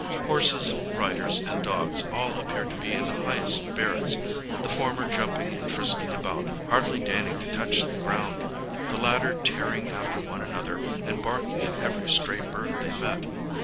Horses, riders, and dogs, all appeared to be in the highest spirits, the former jumping and frisking about, hardly deigning to touch the ground, the latter tearing after one another and barking at every stray bird they met.